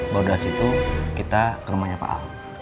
baru dari situ kita ke rumahnya pak ahok